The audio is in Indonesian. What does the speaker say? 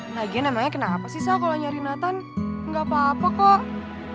lagian emangnya kenapa sih sal kalo nyari nathan gak apa apa kok